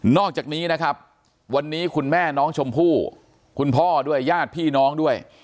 อกจากนี้นะครับวันนี้คุณแม่น้องชมพู่คุณพ่อด้วยญาติพี่น้องด้วย